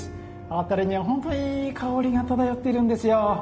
辺りには本当にいい香りが漂っているんですよ。